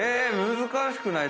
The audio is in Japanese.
難しくない？